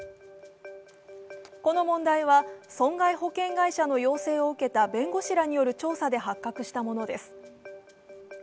この問題は、損害保険会社の要請を受けた弁護士らによる調査で発覚したものです。